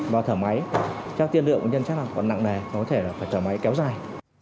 và thở máy chắc tiên lượng bệnh nhân chắc là còn nặng này có thể là phải thở máy kéo dài